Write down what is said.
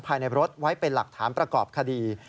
ภายในรถไว้เป็นหลักฐานประกอบคดี